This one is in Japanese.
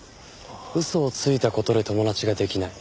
嘘をついた事で友達ができない。